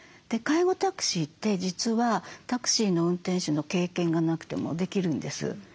介護タクシーって実はタクシーの運転手の経験がなくてもできるんです。